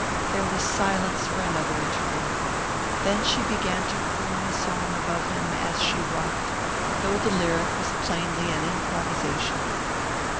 There was silence for another interval. Then she began to croon a song above him as she rocked, though the lyric was plainly an improvisation.